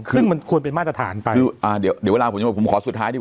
ซึ่งมันควรเป็นมาตรฐานไป